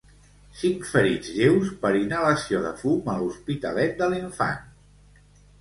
Cinc ferits lleus per inhalació de fum a L'Hospitalet de l'Infant.